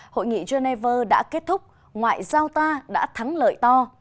hội nghị geneva đã kết thúc ngoại giao ta đã thắng lợi to